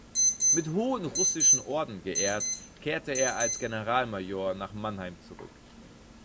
Mit hohen russischen Orden geehrt, kehrte er als Generalmajor nach Mannheim zurück.